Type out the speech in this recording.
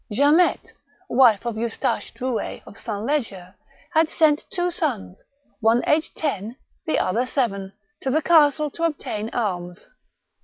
Jamette, wife of Eustache Drouet of S. L6ger, had sent two sons, one aged ten, the other seven, to the castle to obtain alms.